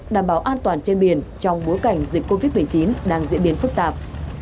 đảm bảo an toàn trên biển trong bối cảnh dịch covid một mươi chín đang diễn biến phức tạp